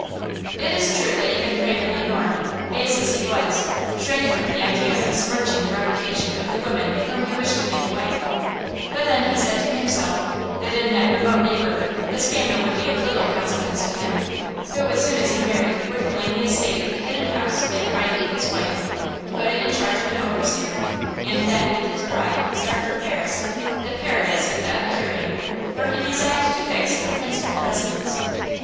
It is true that even Craven Le Noir, base as he was, shrank from the idea of smirching the reputation of the woman whom he wished to make a wife; but then he said to himself that in that remote neighborhood the scandal would be of little consequence to him, who, as soon as he married, would claim the estate of the Hidden House in the right of his wife, put it in charge of an overseer and then, with his bride, start for Paris, the paradise of the epicurean, where he designed to fix their principal residence.